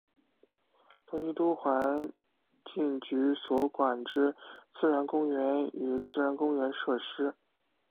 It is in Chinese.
东京都环境局所管之自然公园与自然公园设施。